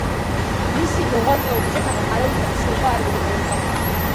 მისი მოღვაწეობის შესახებ არავითარი ცნობა არ მოგვეპოვება.